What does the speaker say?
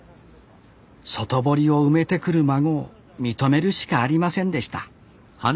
外堀を埋めてくる孫を認めるしかありませんでした